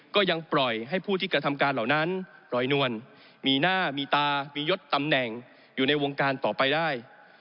ก็ยังปล่อยให้ผู้ที่กระทำการเหล่านั้นปล่อยนวลมีหน้ามีตามียศตำแหน่งอยู่ในวงการต่อไปได้